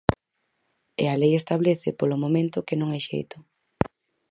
E a lei establece, polo momento, que non hai xeito.